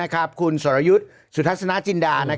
คุณสดัจนอาจินดร์